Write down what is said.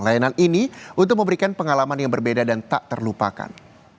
layanan ini untuk memberikan pengalaman yang berbeda dan tak terlupakan